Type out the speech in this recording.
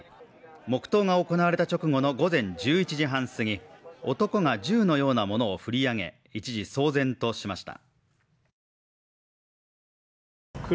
黙とうが行われた直後の午前１１半すぎ、男が銃のようなものを振り上げ、一時騒然としました。